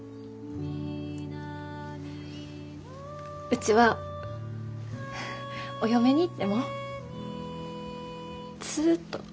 うちはお嫁に行ってもずっとお父